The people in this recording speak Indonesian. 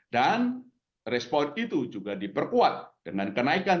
dan respon itu juga diperkuat dengan kenaikan